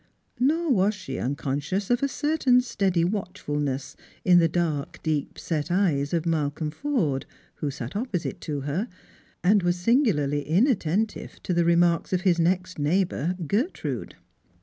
Nor was she unconscious of a certain steady watchfulness in the dark deep set eyes of Malcolm Forde, who sat opposite to her, and was singularly inattentive to the remarks of his next neighbour, Gertrude.